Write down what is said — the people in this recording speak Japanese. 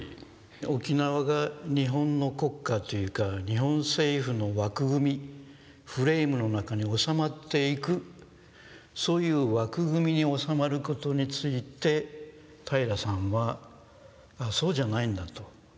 沖縄が日本の国家っていうか日本政府の枠組みフレームの中に収まっていくそういう枠組みに収まることについて平良さんはあぁそうじゃないんだと。